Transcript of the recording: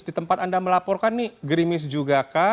di tempat anda melaporkan ini gerimis juga kah